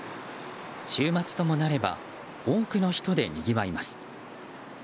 週末ともなれば多くの人でにぎわいます。